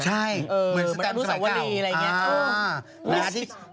ใช่เหมือนสแตมสมัยเก่าอะไรอย่างนี้อ่า